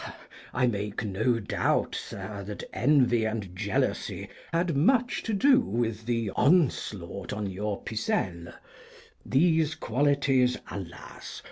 I make no doubt, Sir, that envy and jealousy had much to do with the onslaught on your 'Pucelle.' These qualities, alas!